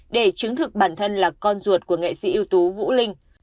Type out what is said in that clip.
để chứng thực bản thân là con ruột của nghệ sĩ ưu tú vũ linh